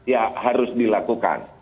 ya harus dilakukan